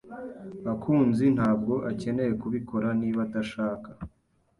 Bakunzi ntabwo akeneye kubikora niba adashaka.